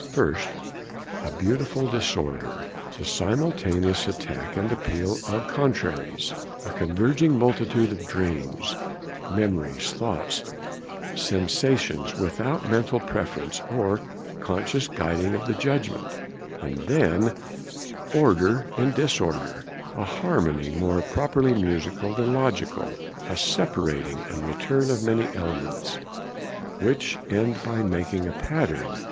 First, a beautiful disorder: the simultaneous attack and appeal of contraries, a converging multitude of dreams, memories, thoughts, sensations, without mental preference, or conscious guiding of the judgment; and then, order in disorder, a harmony more properly musical than logical, a separating and return of many elements, which end by making a pattern.